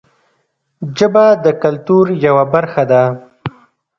ژبه د کلتور یوه برخه ده